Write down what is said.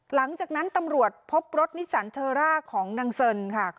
หลังจากนั้นตำรวจพบรถนิสันเทอร่าของนางเซินค่ะ